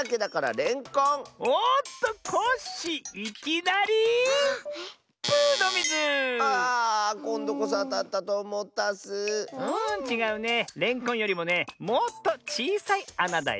れんこんよりもねもっとちいさいあなだよ。